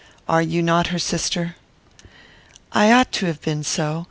Are you not her sister?" "I ought to have been so.